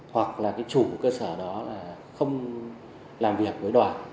hoặc là cái chủ cơ sở đó là không làm việc với đoàn